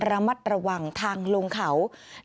ระมัดระวังทางลงเขา